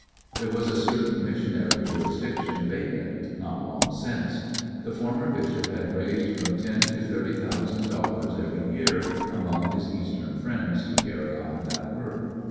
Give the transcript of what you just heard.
There was a certain missionary jurisdiction vacant^ not long since. The former bishop had raised from ten to thirty thousand dollars every year among his Eastern friends to carry on that work.